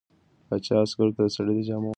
پاچا عسکرو ته د سړي د جامو د بدلولو امر وکړ.